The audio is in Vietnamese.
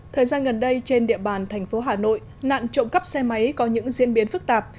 thời gian gần đây trên địa bàn thành phố hà nội nạn trộm cắp xe máy có những diễn biến phức tạp